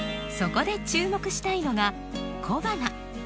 そこで注目したいのが小花。